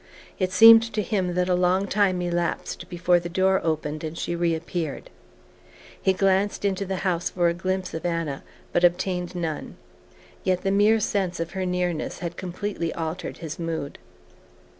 It seemed to him that a long time elapsed before the door opened and she reappeared. He glanced into the house for a glimpse of Anna, but obtained none; yet the mere sense of her nearness had completely altered his mood.